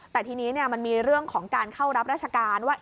แต่ทีนี้มันมีเรื่องของการเข้ารับราชการว่า